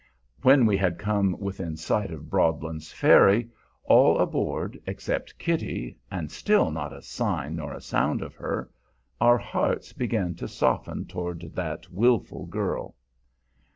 When we had come within sight of Broadlands Ferry, all aboard except Kitty, and still not a sign nor a sound of her, our hearts began to soften toward that willful girl.